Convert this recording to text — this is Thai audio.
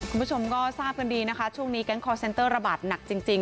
คุณผู้ชมก็ทราบกันดีนะคะช่วงนี้แก๊งคอร์เซ็นเตอร์ระบาดหนักจริง